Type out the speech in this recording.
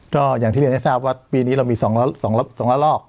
ก็อย่างที่เรียนให้ทราบว่าปีนี้เรามี๒ละลอก